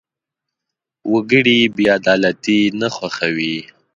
وګړي بېعدالتي نه خوښوي.